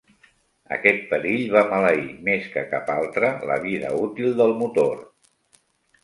Aquest perill va maleir, més que cap altre, la vida útil del motor.